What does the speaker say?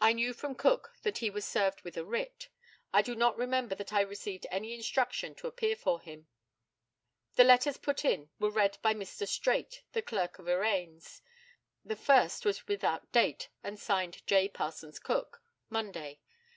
I knew from Cook that he was served with a writ. I do not remember that I received any instruction to appear for him. The letters put in were read by Mr. Straight, the Clerk of the Arraigns. The first was without date, and signed "J. Parsons Cook," Monday.